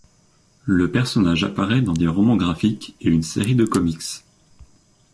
Le personnage apparaît dans des romans graphiques et une série de comics.